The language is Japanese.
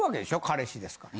彼氏ですから。